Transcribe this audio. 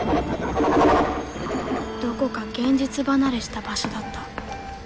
どこか現実離れした場所だった。